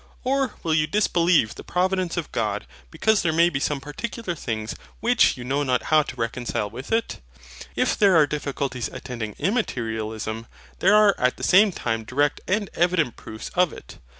Or will you disbelieve the Providence of God, because there may be some particular things which you know not how to reconcile with it? If there are difficulties ATTENDING IMMATERIALISM, there are at the same time direct and evident proofs of it.